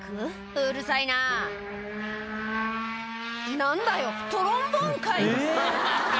うるさいな何だよトロンボーンかい！